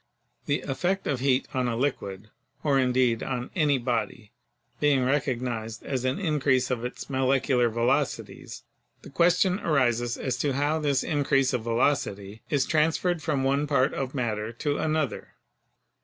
The effect of heat on a liquid — or indeed on any body — being recognised as an increase of its molecular velocities, the question arises as to how this increase of velocity is transferred from one part of matter to another.